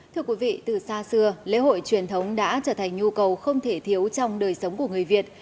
thưa quý vị từ xa xưa lễ hội truyền thống đã trở thành nhu cầu không thể thiếu trong đời sống của người việt